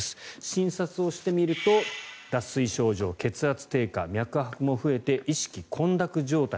診察をしてみると脱水症状、血圧低下脈拍も増えて、意識混濁状態。